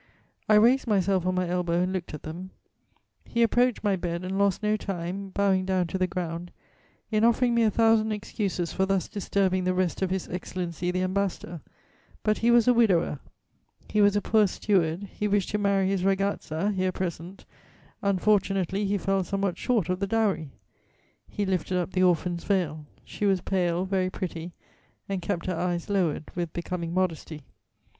I raised myself on my elbow and looked at them; he approached my bed and lost no time, bowing down to the ground, in offering me a thousand excuses for thus disturbing the rest of His Excellency the Ambassador: but he was a widower; he was a poor steward; he wished to marry his ragazza, here present: unfortunately he fell somewhat short of the dowry. He lifted up the orphan's veil: she was pale, very pretty, and kept her eyes lowered with becoming modesty.